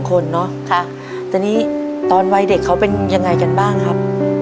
ก็ขออนอุญาโต้นะครับ